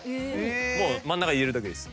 もう真ん中入れるだけです。